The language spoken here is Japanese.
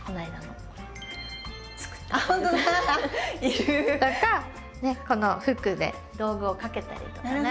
いる！とかこのフックで道具を掛けたりとかね